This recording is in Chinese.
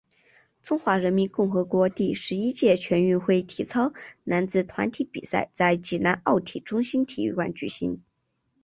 中华人民共和国第十一届全运会体操男子团体比赛在济南奥体中心体育馆举行。